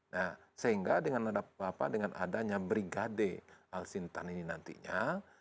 nah sehingga dengan adanya brigade al sintani nantinya